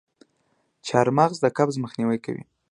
چارمغز د قبض مخنیوی کوي.